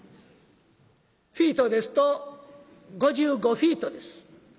フィートですと５５フィートです。